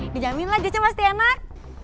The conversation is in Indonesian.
dijamin lah jusnya pasti enak